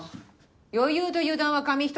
余裕と油断は紙一重！